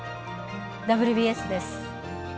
「ＷＢＳ」です。